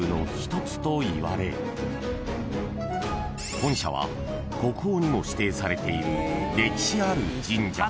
［本社は国宝にも指定されている歴史ある神社］